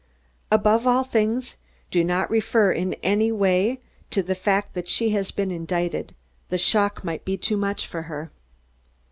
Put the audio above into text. Above all things, do not refer in any way to the fact that she has been indicted, the shock might be too much for her."